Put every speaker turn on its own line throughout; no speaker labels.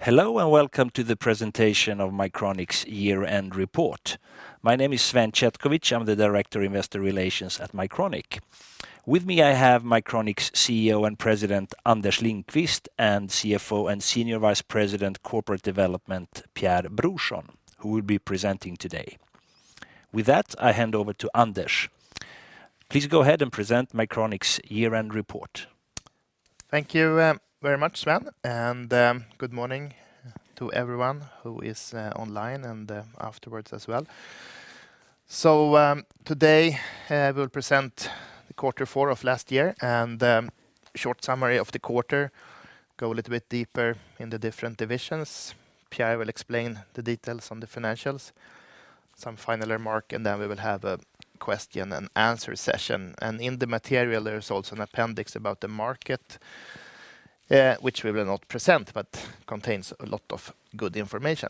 Hello, and welcome to the presentation of Mycronic's year-end report. My name is Sven Četković. I'm the Director Investor Relations at Mycronic. With me, I have Mycronic's CEO and President, Anders Lindqvist, and CFO and Senior Vice President Corporate Development, Pierre Brorsson, who will be presenting today. With that, I hand over to Anders. Please go ahead and present Mycronic's year-end report.
Thank you very much, Sven. Good morning to everyone who is online and afterwards as well. Today, we'll present the Q4 of last year and short summary of the quarter, go a little bit deeper in the different divisions. Pierre will explain the details on the financials, some final remark, and then we will have a question and answer session. In the material, there is also an appendix about the market, which we will not present but contains a lot of good information.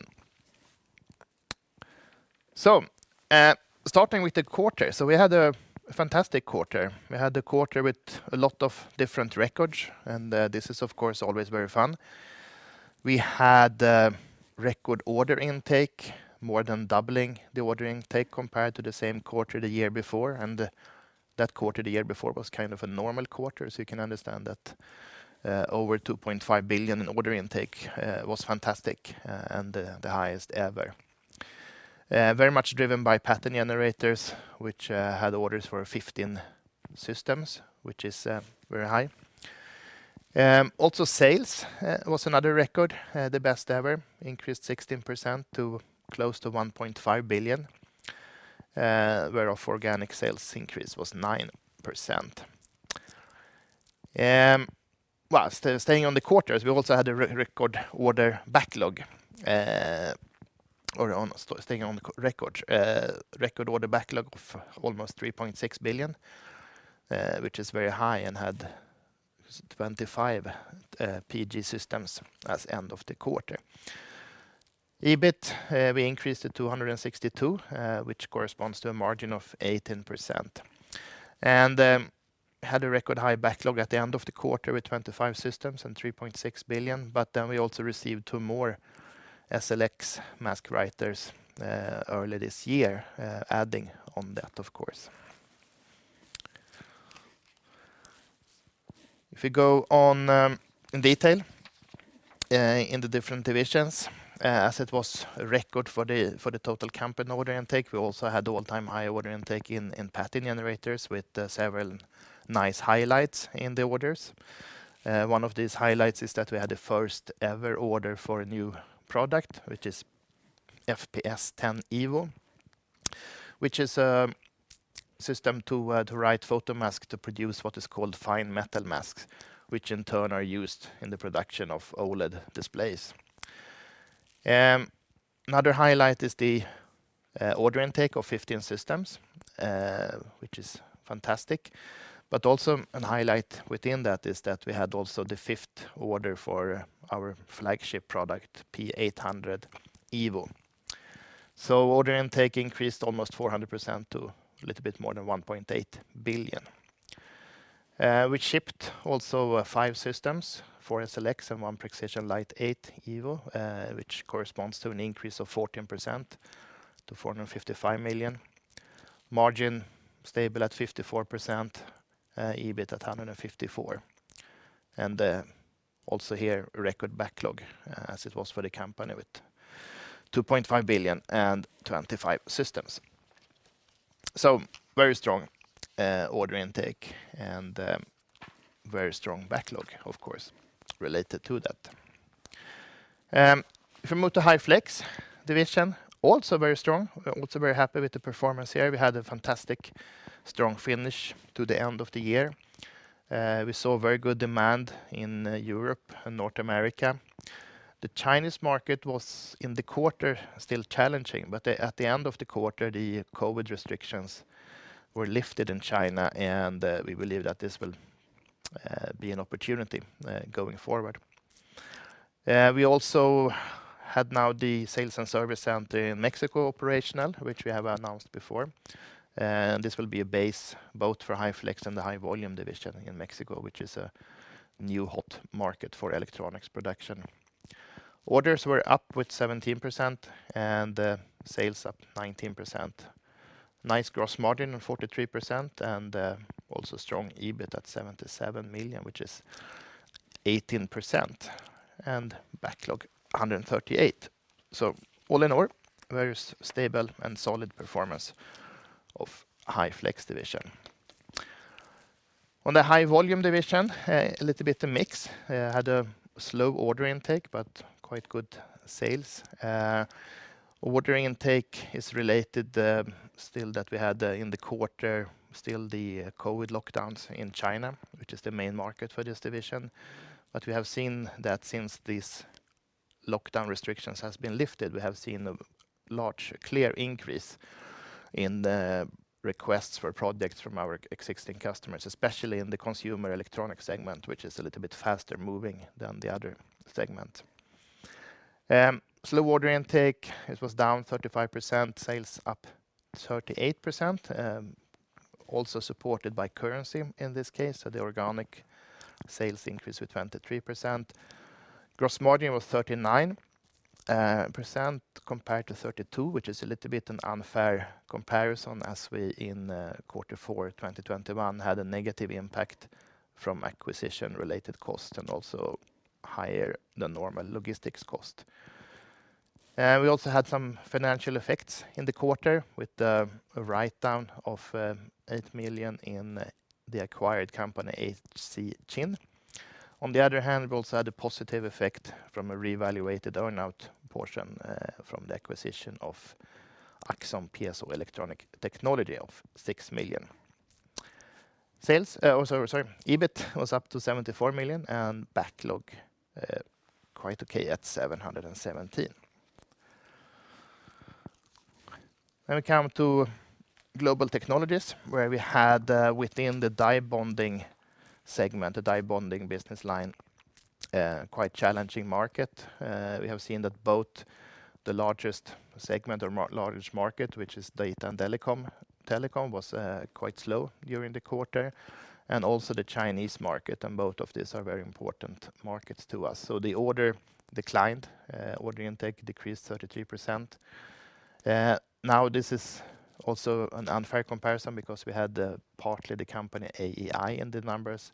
Starting with the quarter. We had a fantastic quarter. We had a quarter with a lot of different records. This is of course, always very fun. We had record order intake, more than doubling the order intake compared to the same quarter the year before, and that quarter the year before was kind of a normal quarter. You can understand that over 2.5 billion in order intake was fantastic and the highest ever. Very much driven by Pattern Generators, which had orders for 15 systems, which is very high. Also sales was another record, the best ever. Increased 16% to close to 1.5 billion, whereof organic sales increase was 9%. Well, staying on the quarters, Staying on the records, record order backlog of almost 3.6 billion, which is very high and had 25 PG systems as end of the quarter. EBIT, we increased to 262, which corresponds to a margin of 18%. Had a record high backlog at the end of the quarter with 25 systems and 3.6 billion. We also received two more SLX mask writers early this year, adding on that, of course. If we go on in detail, in the different divisions, as it was a record for the total company order intake, we also had all-time high order intake in Pattern Generators with several nice highlights in the orders. One of these highlights is that we had the first ever order for a new product, which is FPS 10 Evo, which is a system to write photomask to produce what is called Fine Metal Masks, which in turn are used in the production of OLED displays. Another highlight is the order intake of 15 systems, which is fantastic, but also an highlight within that is that we had also the 5th order for our flagship product, Prexision 800 Evo. Order intake increased almost 400% to a little bit more than 1.8 billion. We shipped also five systems, 4 SLX and 1 Prexision Lite 8 Evo, which corresponds to an increase of 14% to 455 million. Margin stable at 54%, EBIT at 154. Also here, record backlog, as it was for the company with 2.5 billion and 25 systems. Very strong order intake and very strong backlog, of course, related to that. We move to High Flex division, also very strong. Also very happy with the performance here. We had a fantastic strong finish to the end of the year. We saw very good demand in Europe and North America. The Chinese market was, in the quarter, still challenging, but at the end of the quarter, the COVID restrictions were lifted in China, and we believe that this will be an opportunity going forward. We also had now the sales and service center in Mexico operational, which we have announced before. This will be a base both for High Flex and the high-volume division in Mexico, which is a new hot market for electronics production. Orders were up with 17% and sales up 19%. Nice gross margin of 43% and also strong EBIT at 77 million, which is 18%, and backlog, 138. All in all, very stable and solid performance of High Flex division. On the high volume division, a little bit of mix. Had a slow order intake, but quite good sales. Order intake is related, still that we had, in the quarter, still the COVID lockdowns in China, which is the main market for this division. We have seen that since these lockdown restrictions has been lifted, we have seen a large clear increase in the requests for projects from our existing customers, especially in the consumer electronics segment, which is a little bit faster moving than the other segment. Slow order intake. It was down 35%. Sales up 38%. Also supported by currency in this case. The organic sales increase was 23%. Gross margin was 39% compared to 32%, which is a little bit an unfair comparison as we in quarter four 2021 had a negative impact from acquisition-related costs and also higher than normal logistics cost. We also had some financial effects in the quarter with a write-down of 8 million in the acquired company HC Qin. We also had a positive effect from a reevaluated earn-out portion from the acquisition of Axxon PSO Electronic Technology of 6 million. Sales EBIT was up to 74 million and backlog quite okay at 717 million. We come to Global Technologies, where we had within the die bonding segment, the die bonding business line, a quite challenging market. We have seen that both the largest segment or largest market, which is data and telecom was quite slow during the quarter, and also the Chinese market, and both of these are very important markets to us. The order declined, order intake decreased 33%. This is also an unfair comparison because we had partly the company AEi in the numbers,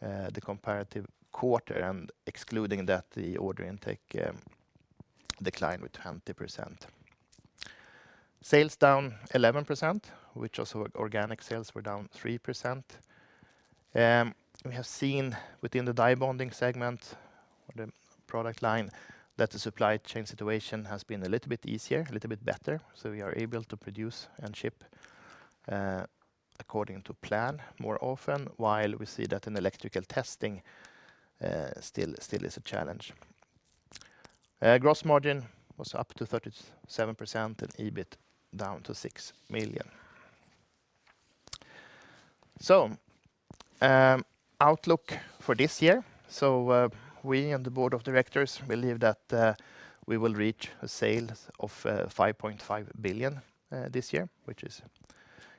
the comparative quarter, and excluding that the order intake declined with 20%. Sales down 11%, which also organic sales were down 3%. We have seen within the die bonding segment or the product line that the supply chain situation has been a little bit easier, a little bit better, so we are able to produce and ship according to plan more often, while we see that in electrical testing still is a challenge. Gross margin was up to 37% and EBIT down to 6 million. Outlook for this year. We and the board of directors believe that we will reach a sale of 5.5 billion this year, which is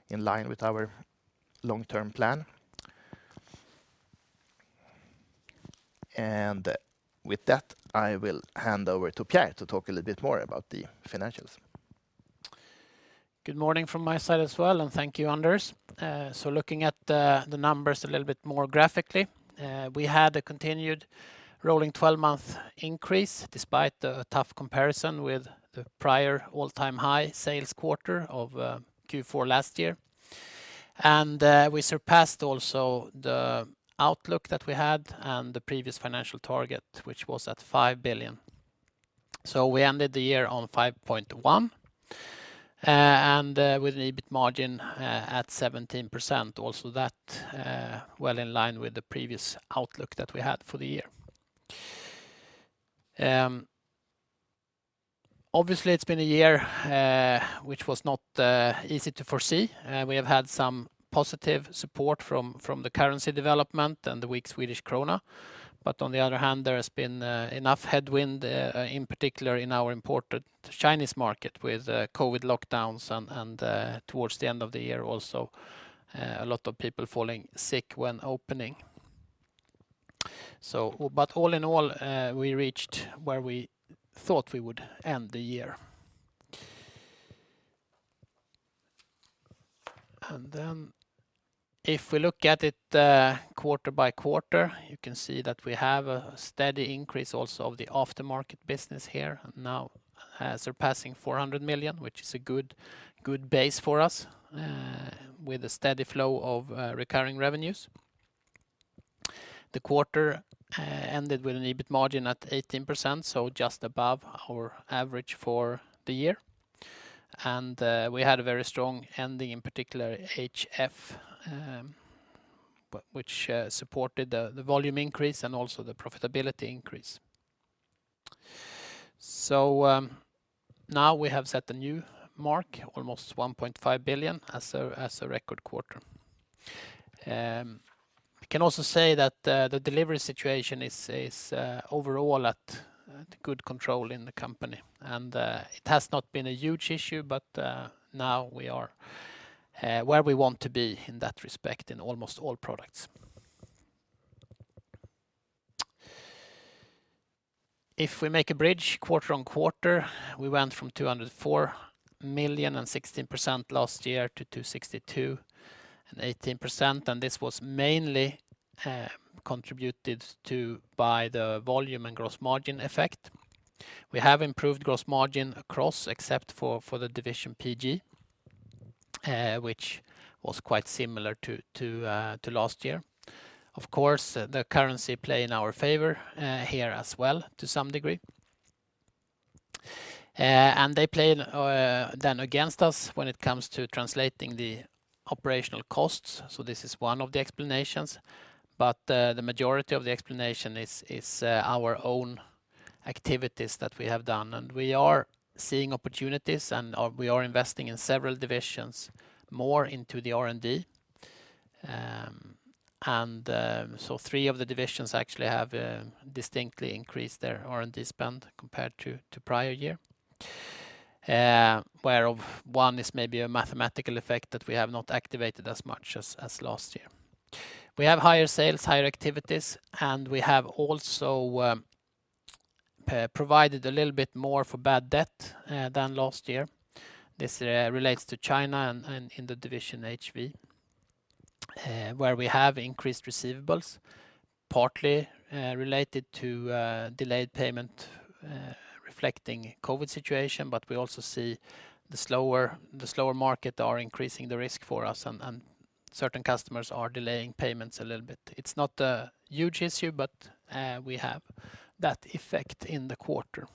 in line with our long-term plan. With that, I will hand over to Pierre to talk a little bit more about the financials.
Good morning from my side as well, and thank you, Anders. Looking at the numbers a little bit more graphically, we had a continued rolling 12-month increase despite the tough comparison with the prior all-time high sales quarter of Q4 last year. We surpassed also the outlook that we had and the previous financial target, which was at 5 billion. We ended the year on 5.1 billion, and with an EBIT margin at 17%, also that well in line with the previous outlook that we had for the year. Obviously, it's been a year which was not easy to foresee. We have had some positive support from the currency development and the weak Swedish krona. On the other hand, there has been enough headwind in particular in our important Chinese market with COVID lockdowns and towards the end of the year also a lot of people falling sick when opening. All in all, we reached where we thought we would end the year. If we look at it quarter by quarter, you can see that we have a steady increase also of the after-market business here, now, surpassing 400 million, which is a good base for us with a steady flow of recurring revenues. The quarter ended with an EBIT margin at 18%, so just above our average for the year. We had a very strong ending, in particular HF, but which supported the volume increase and also the profitability increase. Now we have set a new mark, almost 1.5 billion as a record quarter. I can also say that the delivery situation is overall at good control in the company. It has not been a huge issue, but now we are where we want to be in that respect in almost all products. If we make a bridge quarter-on-quarter, we went from 204 million and 16% last year to 262 million and 18%. This was mainly contributed to by the volume and gross margin effect. We have improved gross margin across except for the division PG, which was quite similar to last year. Of course, the currency play in our favor here as well to some degree. They play then against us when it comes to translating the operational costs. This is one of the explanations, but the majority of the explanation is our own activities that we have done. We are seeing opportunities, and we are investing in several divisions more into the R&D. Three of the divisions actually have distinctly increased their R&D spend compared to prior year. Where of one is maybe a mathematical effect that we have not activated as much as last year. We have higher sales, higher activities, and we have also provided a little bit more for bad debt than last year. This relates to China and in the division HV, where we have increased receivables partly related to delayed payment, reflecting COVID situation, but we also see the slower market are increasing the risk for us and certain customers are delaying payments a little bit. It's not a huge issue, but we have that effect in the quarter.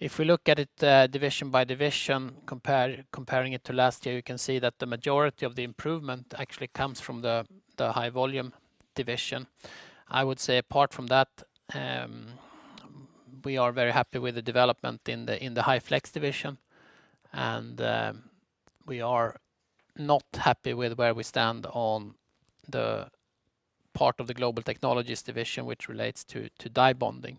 If we look at it, division by division comparing it to last year, you can see that the majority of the improvement actually comes from the high volume division. I would say apart from that, we are very happy with the development in the High Flex division. We are not happy with where we stand on the part of the Global Technologies division which relates to die bonding.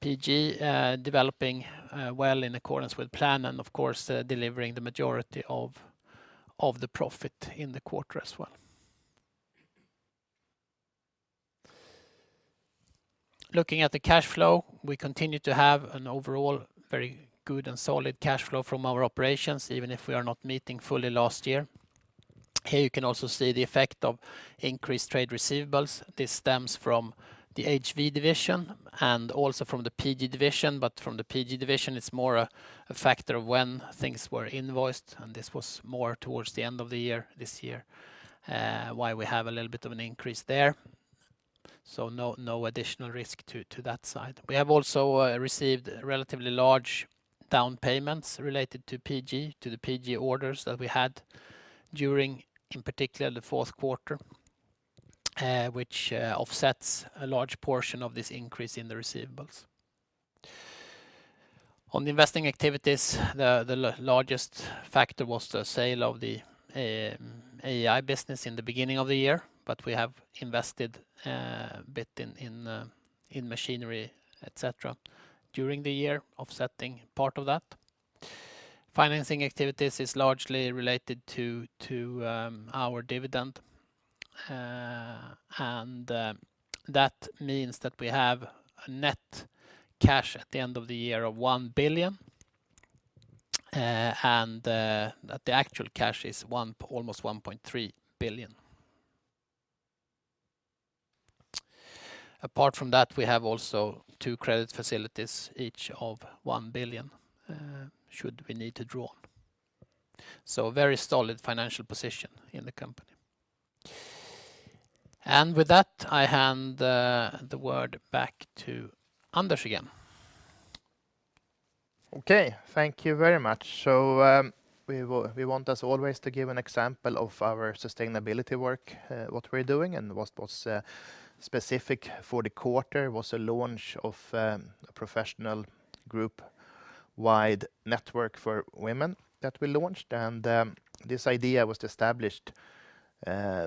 PG developing well in accordance with plan and of course delivering the majority of the profit in the quarter as well. Looking at the cash flow, we continue to have an overall very good and solid cash flow from our operations, even if we are not meeting fully last year. Here you can also see the effect of increased trade receivables. This stems from the HV division and also from the PG division, but from the PG division, it's more a factor of when things were invoiced, and this was more towards the end of the year, this year, why we have a little bit of an increase there. No additional risk to that side. We have also received relatively large down payments related to the PG orders that we had during, in particular the fourth quarter, which offsets a large portion of this increase in the receivables. On investing activities, the largest factor was the sale of the AEi business in the beginning of the year, we have invested a bit in machinery, et cetera, during the year, offsetting part of that. Financing activities is largely related to our dividend, and that means that we have a net cash at the end of the year of 1 billion, and that the actual cash is almost 1.3 billion. Apart from that, we have also two credit facilities, each of 1 billion, should we need to draw. A very solid financial position in the company. With that, I hand the word back to Anders again.
Okay. Thank you very much. We want as always to give an example of our sustainability work, what we're doing and what was specific for the quarter was a launch of a professional group wide network for women that we launched. This idea was established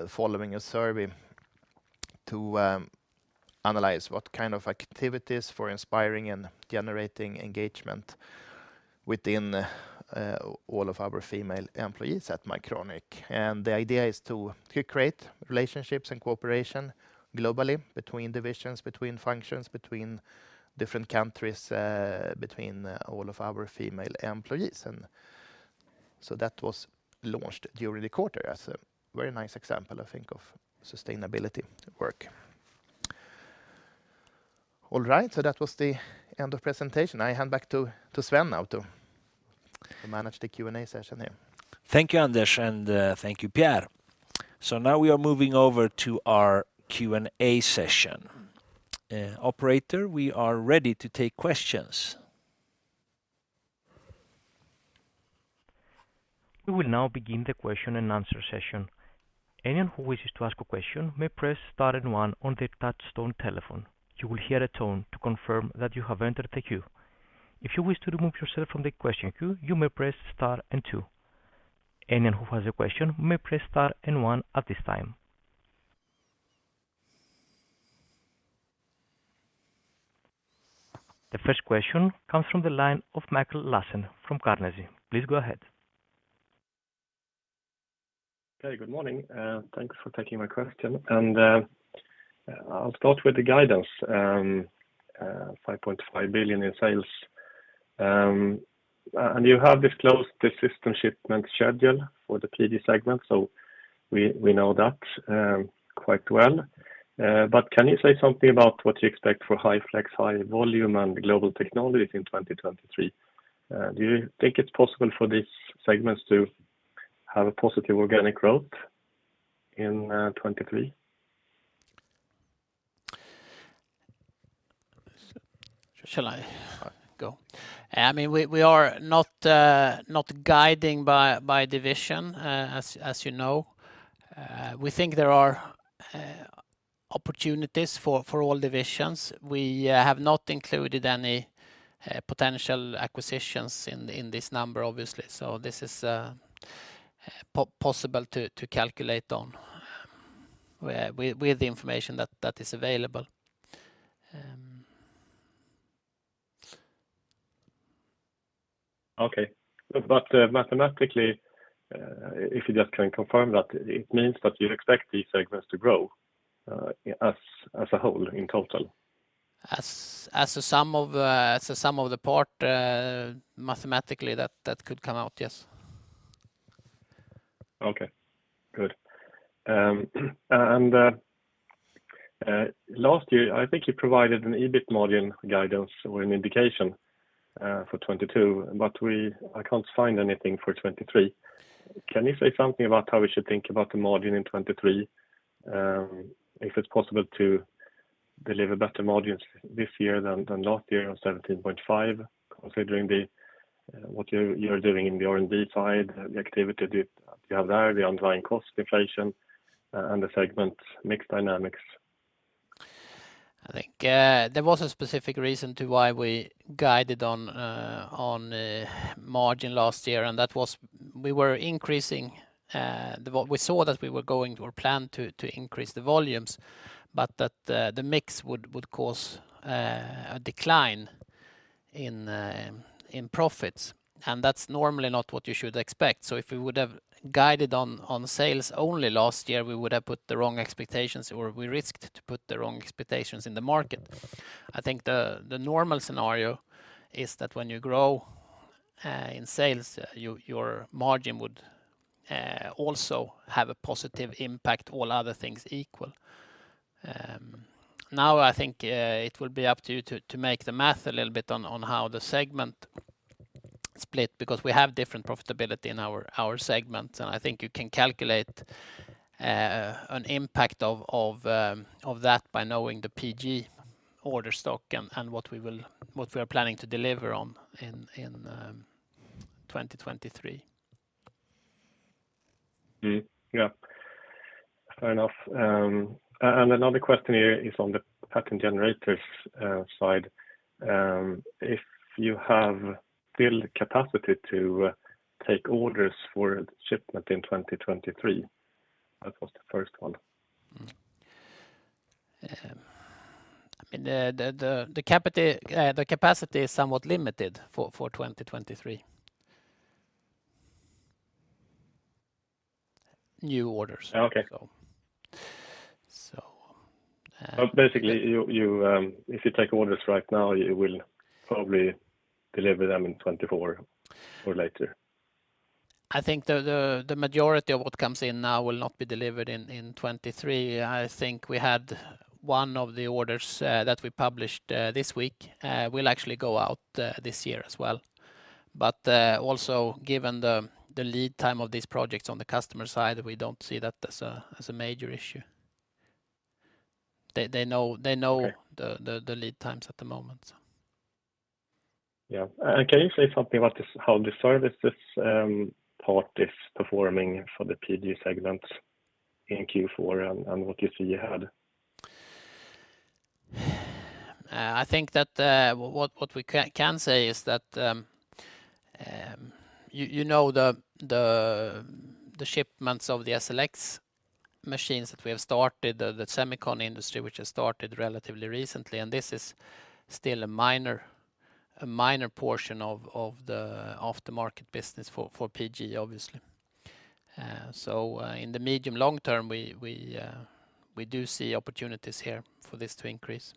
following a survey to analyze what kind of activities for inspiring and generating engagement within all of our female employees at Mycronic. The idea is to create relationships and cooperation globally between divisions, between functions, between different countries, between all of our female employees. That was launched during the quarter. That's a very nice example I think of sustainability work. That was the end of presentation. I hand back to Sven now to manage the Q&A session here.
Thank you, Anders, and thank you, Pierre. Now we are moving over to our Q&A session. Operator, we are ready to take questions.
We will now begin the question and answer session. Anyone who wishes to ask a question may press star and one on their touchtone telephone. You will hear a tone to confirm that you have entered the queue. If you wish to remove yourself from the question queue, you may press star and two. Anyone who has a question may press star and one at this time. The first question comes from the line of Mikael Laséen from Carnegie. Please go ahead.
Okay, good morning. Thanks for taking my question. I'll start with the guidance, 5.5 billion in sales. You have disclosed the system shipment schedule for the PG segment, so we know that quite well. Can you say something about what you expect for High Flex, high volume and Global Technologies in 2023? Do you think it's possible for these segments to have a positive organic growth in 2023?
Shall I go? I mean, we are not not guiding by division as you know. We think there are. Opportunities for all divisions. We have not included any potential acquisitions in this number, obviously. This is possible to calculate on with the information that is available.
Okay. Mathematically, if you just can confirm that it means that you expect these segments to grow, as a whole in total.
As a sum of, as a sum of the part, mathematically that could come out. Yes.
Okay. Good. Last year, I think you provided an EBIT margin guidance or an indication for 2022. I can't find anything for 2023. Can you say something about how we should think about the margin in 2023? If it's possible to deliver better margins this year than last year of 17.5%, considering what you're doing in the R&D side, the activity that you have there, the underlying cost inflation, and the segment mix dynamics.
I think there was a specific reason to why we guided on on margin last year. That was we were increasing the volumes, but that the mix would cause a decline in profits, and that's normally not what you should expect. If we would have guided on on sales only last year, we would have put the wrong expectations, or we risked to put the wrong expectations in the market. I think the normal scenario is that when you grow in sales, your margin would also have a positive impact, all other things equal. Now I think it will be up to you to make the math a little bit on how the segment split, because we have different profitability in our segments, and I think you can calculate an impact of that by knowing the PG order stock and what we are planning to deliver on in 2023.
Mm-hmm. Yeah. Fair enough. Another question here is on the Pattern Generators side. If you have build capacity to take orders for shipment in 2023. That was the first one.
I mean, the capacity is somewhat limited for 2023. New orders.
Okay.
So. So, um-
basically, you, if you take orders right now, you will probably deliver them in 2024 or later.
I think the majority of what comes in now will not be delivered in 2023. I think we had one of the orders that we published this week will actually go out this year as well. Also given the lead time of these projects on the customer side, we don't see that as a major issue. They know, they know.
Okay
the lead times at the moment.
Can you say something about this, how the services part is performing for the PG segment in Q4 and what you see ahead?
I think that, what we can say is that, you know the shipments of the SLX machines that we have started, the semicon industry which has started relatively recently, this is still a minor portion of the aftermarket business for PG, obviously. In the medium long term, we do see opportunities here for this to increase.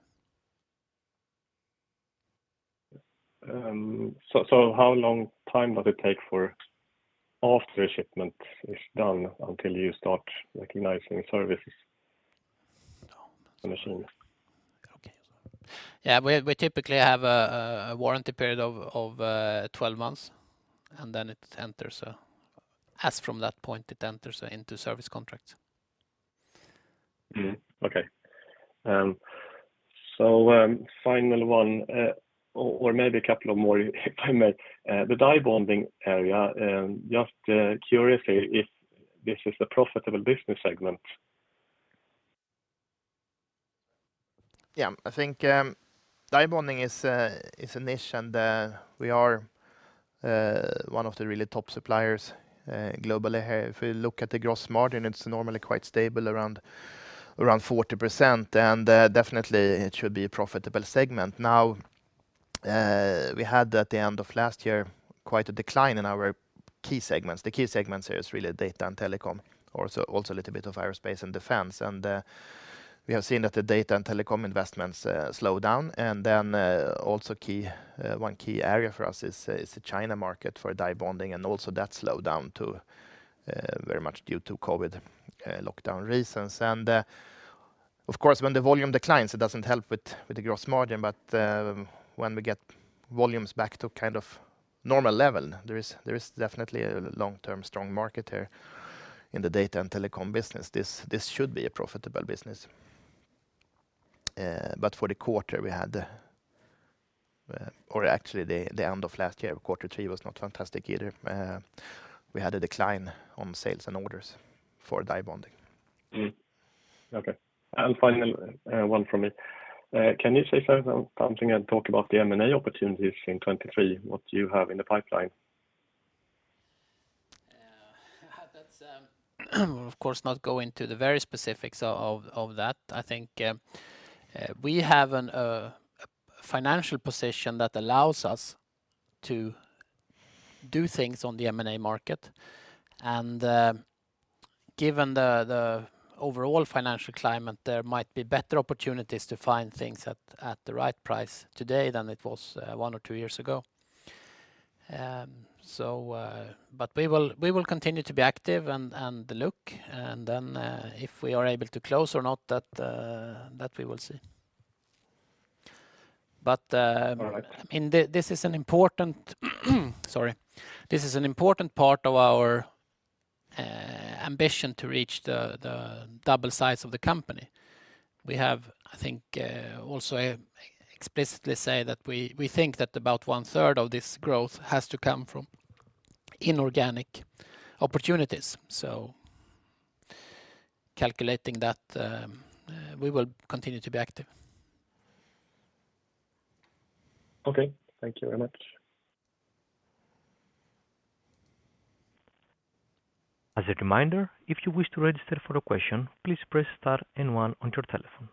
How long time does it take for after a shipment is done until you start recognizing services? The machines.
Okay. Yeah, we typically have a warranty period of 12 months, and then it enters, as from that point, it enters into service contracts.
Okay. Final one, or maybe a couple of more if I may, the die bonding area, just curiously, if this is a profitable business segment?
Yeah. I think, die bonding is a niche, and we are one of the really top suppliers globally. If you look at the gross margin, it's normally quite stable around 40%, and definitely it should be a profitable segment. Now, we had at the end of last year quite a decline in our key segments. The key segments here is really data and telecom, also a little bit of aerospace and defense. We have seen that the data and telecom investments slow down. Also key, one key area for us is the China market for die bonding, and also that slowed down very much due to COVID lockdown reasons. Of course, when the volume declines, it doesn't help with the gross margin. When we get volumes back to kind of normal level, there is definitely a long-term strong market here in the data and telecom business. This should be a profitable business. For the quarter, we had
Actually the end of last year, quarter three was not fantastic either. We had a decline on sales and orders for die bonding.
Okay. Final one from me. Can you say something and talk about the M&A opportunities in 2023, what you have in the pipeline?
Yeah. That's of course not go into the very specifics of that. I think we have an financial position that allows us to do things on the M&A market. Given the overall financial climate, there might be better opportunities to find things at the right price today than it was one or two years ago. But we will continue to be active and look, and then if we are able to close or not that we will see. But.
All right.
This is an important, sorry. This is an important part of our ambition to reach the double size of the company. We have, I think, also explicitly say that we think that about one-third of this growth has to come from inorganic opportunities. Calculating that, we will continue to be active.
Okay. Thank you very much.
As a reminder, if you wish to register for a question, please press star and one on your telephone.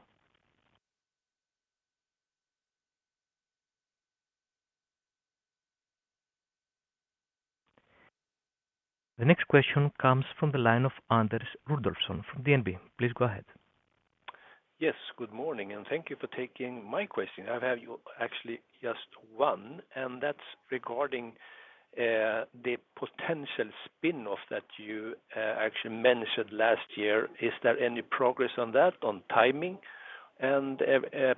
The next question comes from the line of Anders Rudolfsson from DNB. Please go ahead.
Yes, good morning. Thank you for taking my question. I have you actually just one, and that's regarding the potential spin-off that you actually mentioned last year. Is there any progress on that, on timing? I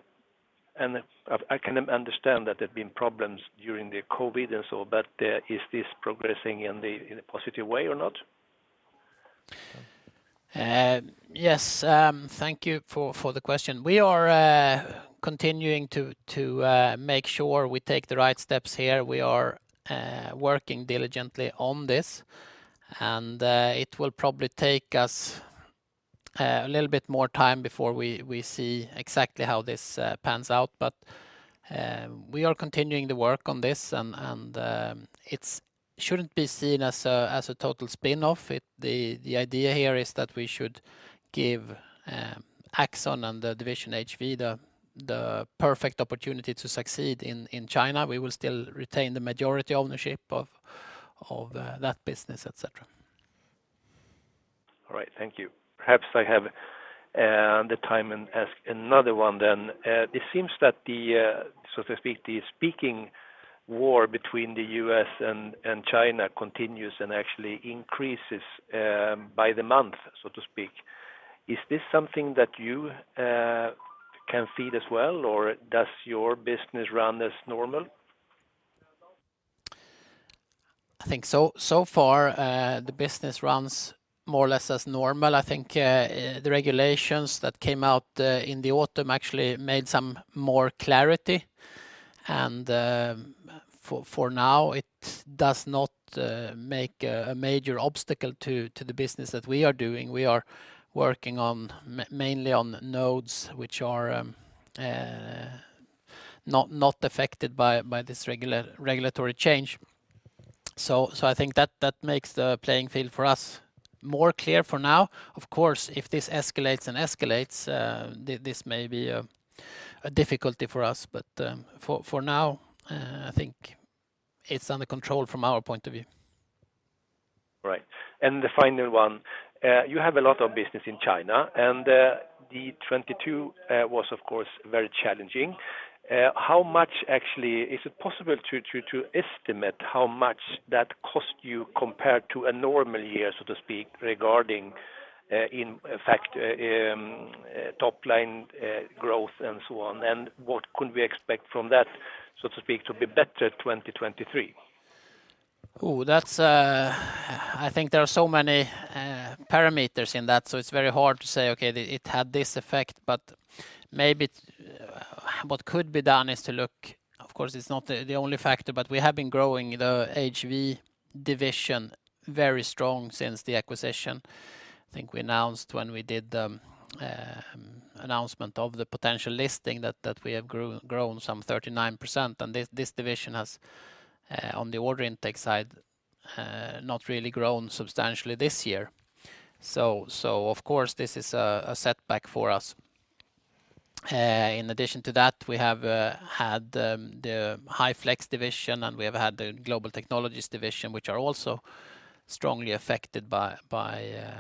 can understand that there have been problems during the COVID, but is this progressing in a positive way or not?
Yes. Thank you for the question. We are continuing to make sure we take the right steps here. We are working diligently on this, and it will probably take us a little bit more time before we see exactly how this pans out. We are continuing the work on this and it's shouldn't be seen as a total spin-off. The idea here is that we should give Axxon and the division HV the perfect opportunity to succeed in China. We will still retain the majority ownership of that business, etc.
All right. Thank you. Perhaps I have, the time and ask another one then. It seems that the, so to speak, the trade war between the U.S. and China continues and actually increases, by the month, so to speak. Is this something that you, can see it as well, or does your business run as normal?
I think so far, the business runs more or less as normal. I think, the regulations that came out in the autumn actually made some more clarity. For now, it does not make a major obstacle to the business that we are doing. We are working on mainly on nodes which are not affected by this regulatory change. I think that makes the playing field for us more clear for now. Of course, if this escalates, this may be a difficulty for us. For now, I think it's under control from our point of view.
Right. The final one. You have a lot of business in China, the 2022 was of course very challenging. How much, actually, is it possible to estimate how much that cost you compared to a normal year, so to speak, regarding, in fact, top line growth and so on? What could we expect from that, so to speak, to be better 2023?
I think there are so many parameters in that, so it's very hard to say, "Okay, it had this effect." Maybe what could be done is to look, of course, it's not the only factor, but we have been growing the HV division very strong since the acquisition. I think we announced when we did the announcement of the potential listing that we have grown some 39%. This division has on the order intake side not really grown substantially this year. Of course, this is a setback for us. In addition to that, we have had the High Flex division, and we have had the Global Technologies division, which are also strongly affected by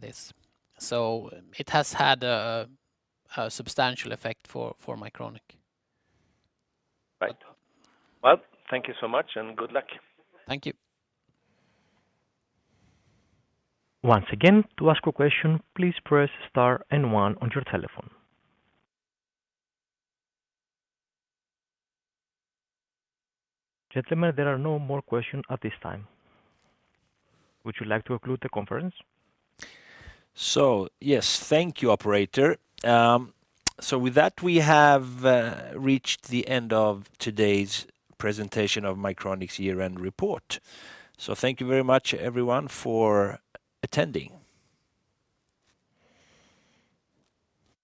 this. It has had a substantial effect for Mycronic.
Right. Well, thank you so much, and good luck.
Thank you.
Once again, to ask a question, please press star and one on your telephone. Gentlemen, there are no more questions at this time. Would you like to conclude the conference?
Yes. Thank you, operator. With that, we have reached the end of today's presentation of Mycronic's year-end report. Thank you very much, everyone, for attending.